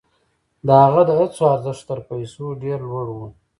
د هغه د هڅو ارزښت تر پیسو ډېر لوړ و.